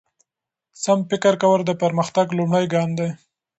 سم فکر کول د پرمختګ لومړی ګام دی.